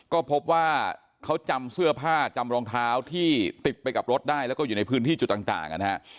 ก็พบว่าเขาจำเสื้อผ้าจำรองเท้าที่ติดไปกับรถได้แล้วก็อยู่ในพื้นที่จุดต่างนะฮะ